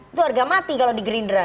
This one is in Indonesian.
itu harga mati kalau di gerindra